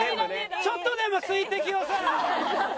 ちょっとでも水滴をさ。